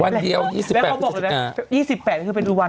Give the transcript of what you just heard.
วันเดียว๒๘พิศาจิกา